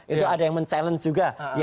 itu ada yang men challenge juga